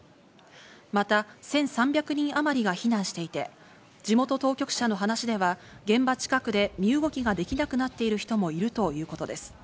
また、１３００人あまりが避難していて、地元当局者の話では現場近くで身動きができなくなっている人もいるということです。